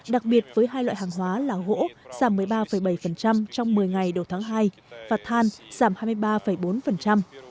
đặc biệt với hai loại hàng hóa là gỗ giảm một mươi ba bảy trong một mươi ngày đầu tháng hai và than giảm hai mươi ba bốn